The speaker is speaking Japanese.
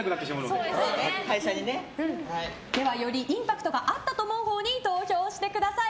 ではよりインパクトがあったと思うほうに投票してください。